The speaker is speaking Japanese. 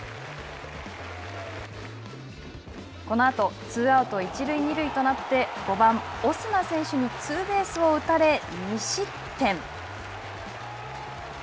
このあと、ツーアウト、一塁二塁となって５番オスナ選手にツーベースを打たれ、２失点。